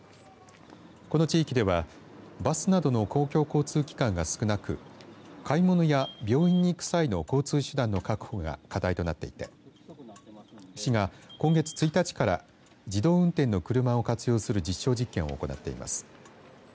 この地域ではバスなどの公共交通機関が少なく買い物や病院に行く際の交通手段の確保が課題となっていて市が今月１日から自動運転の車を活用する実証実験を行っています。